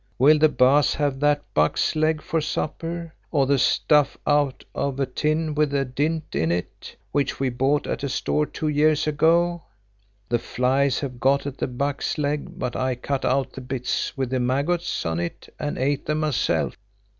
Will the Baas have that buck's leg for supper, or the stuff out of a tin with a dint in it, which we bought at a store two years ago? The flies have got at the buck's leg, but I cut out the bits with the maggots on it and ate them myself."